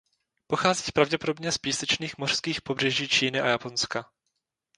Pochází pravděpodobně z písečných mořských pobřeží Číny a Japonska.